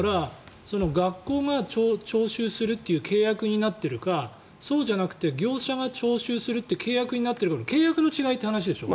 学校が徴収をするという契約になっているかそうじゃなくて業者が徴収する契約になっているか契約によってという話でしょ？